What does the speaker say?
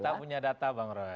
kita punya data bang roy